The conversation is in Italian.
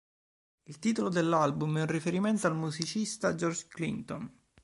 Il titolo dell'album è un riferimento al musicista George Clinton.